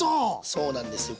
そうなんですよ。